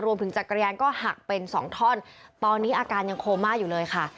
จักรยานก็หักเป็นสองท่อนตอนนี้อาการยังโคม่าอยู่เลยค่ะ